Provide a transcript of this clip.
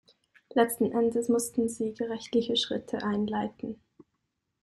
Letzten Endes mussten sie gerichtliche Schritte einleiten.